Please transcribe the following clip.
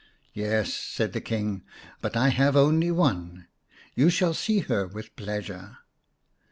" Yes," said the King, " but I have only one. You shall see her with pleasure."